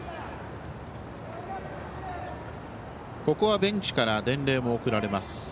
ここはベンチから伝令も送られます。